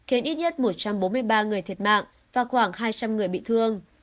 khiến ít nhất một trăm bốn mươi ba người thiệt mạng và khoảng hai trăm linh người bị thương